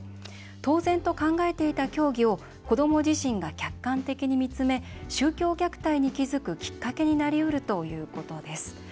当然と考えていた教義を子ども自身が客観的に見つめ宗教虐待に気づくきっかけになりうるということです。